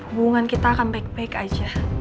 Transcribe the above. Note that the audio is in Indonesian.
hubungan kita akan baik baik aja